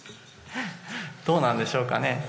どうなんでしょうかね。